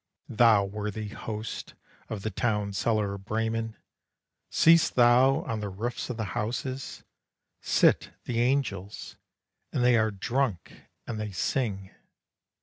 Thou worthy host of the town cellar of Bremen, Seest thou on the roofs of the houses, Sit the angels, and they are drunk and they sing.